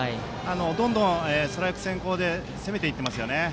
どんどんストライク先行で攻めていっていますね。